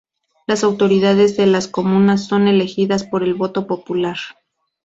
Las autoridades de las comunas son elegidas por el voto popular.